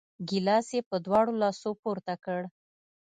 ګیلاس یې په دواړو لاسو پورته کړ!